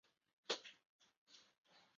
当时的黄兴家在当地属于富裕家门。